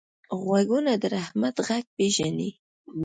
غوږونه د رحمت غږ پېژني